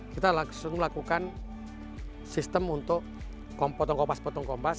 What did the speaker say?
kita langsung melakukan sistem untuk kompas potong kompas